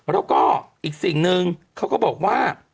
แล้วก็อีกสิ่งหนึ่งเขาก็บอกว่า